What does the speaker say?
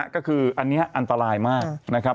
ก็คืออันนี้อันตรายมากนะครับ